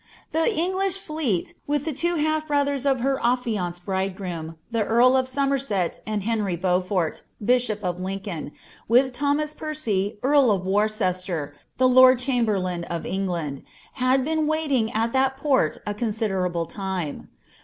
The English fleet, with the two half broihers of her atlianced bni* groom, the earl of Somerset and Henry Beaufort, bishop of Lincoln, wilk Thomas Percy, earl of Worcester, the lord chsmbeilain of England.* W keen waiting at that poit a considerable lime.